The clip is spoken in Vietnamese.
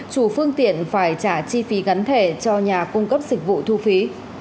chủ phương tiện phải trả chi phí gắn thẻ cho nhà cung cấp dịch vụ thu phí